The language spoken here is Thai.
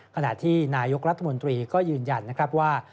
ขณะที่นายกรัฐมนตรีก็ยืนยันนะครับว่า